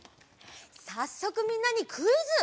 さっそくみんなにクイズ！